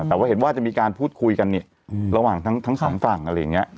แต่ว่าเห็นว่าจะมีการพูดคุยกันเนี่ยระหว่างทั้งสองฝั่งอะไรอย่างนี้